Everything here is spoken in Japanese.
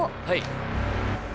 はい。